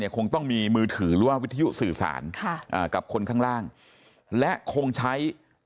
คงต้องมีมือถือหรือว่าวิทยุสื่อสารกับคนข้างล่างและคงใช้